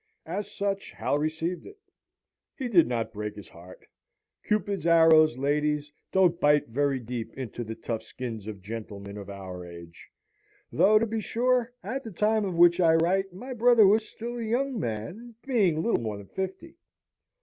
As such Hal received it. He did not break his heart. Cupid's arrows, ladies, don't bite very deep into the tough skins of gentlemen of our age; though, to be sure, at the time of which I write, my brother was still a young man, being little more than fifty.